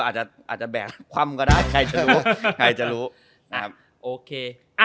อาจจะอาจจะแบกความก็ได้ใครจะรู้ใครจะรู้อ่ะโอเคอ่ะ